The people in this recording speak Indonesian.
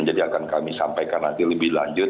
jadi akan kami sampaikan nanti lebih lanjut